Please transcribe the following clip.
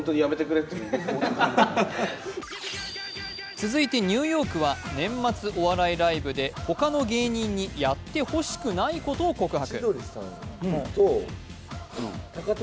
続いてニューヨークは年末お笑いライブで他の芸人にやってほしくないことを告白。